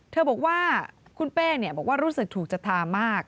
เธอบอกว่าคุณเป้บอกว่ารู้สึกถูกจัทธามาก